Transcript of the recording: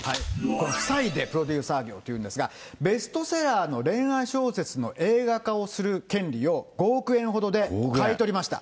これ夫妻でプロデューサー業ということなんですけれども、ベストセラーの恋愛小説の映画化をする権利を、５億円ほどで買い取りました。